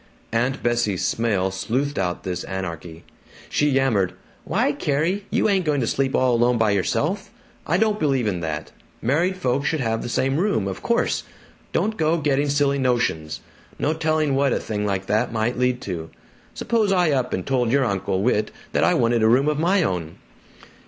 Aunt Bessie Smail sleuthed out this anarchy. She yammered, "Why, Carrie, you ain't going to sleep all alone by yourself? I don't believe in that. Married folks should have the same room, of course! Don't go getting silly notions. No telling what a thing like that might lead to. Suppose I up and told your Uncle Whit that I wanted a room of my own!"